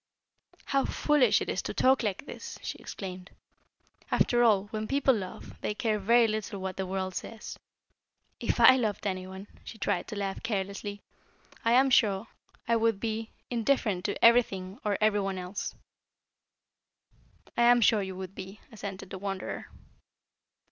"How foolish it is to talk like this!" she exclaimed. "After all, when people love, they care very little what the world says. If I loved any one" she tried to laugh carelessly "I am sure I should be indifferent to everything or every one else." "I am sure you would be," assented the Wanderer.